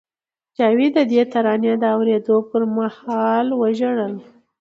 جاوید د دې ترانې د اورېدو پر مهال وژړل